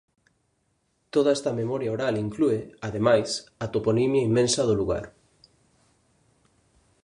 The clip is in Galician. Toda esta memoria oral inclúe, ademais, a toponimia inmensa do lugar.